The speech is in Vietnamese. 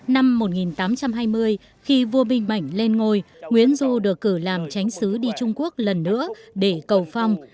năm một nghìn tám trăm hai mươi khi vua minh mạnh lên ngôi nguyễn du được cử làm tránh xứ đi trung quốc lần nữa để cầu phong